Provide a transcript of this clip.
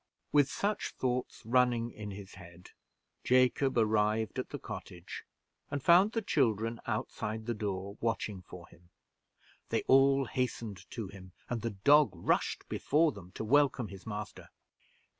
With such thoughts running in his head, Jacob arrived at the cottage, and found the children outside the door, watching for him. They all hastened to him, and the dog rushed before them, to welcome his master.